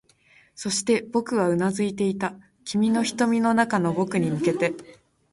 そして、僕はうなずいていた、君の瞳の中の僕に向けて